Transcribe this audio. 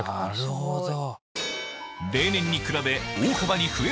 なるほど。